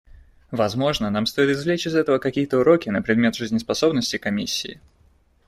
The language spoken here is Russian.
Возможно, нам стоит извлечь из этого какие-то уроки на предмет жизнеспособности Комиссии.